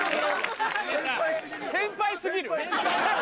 先輩すぎるよ。